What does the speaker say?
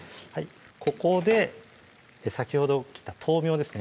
ここで先ほど切った豆苗ですね